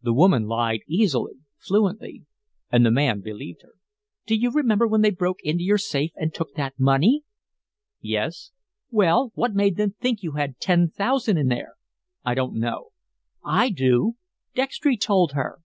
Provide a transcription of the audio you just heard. The woman lied easily, fluently, and the man believed her. "Do you remember when they broke into your safe and took that money?" "Yes." "Well, what made them think you had ten thousand in there?" "I don't know." "I do. Dextry told her."